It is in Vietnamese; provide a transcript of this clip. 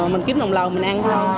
mình kiếm đồng lầu mình ăn thôi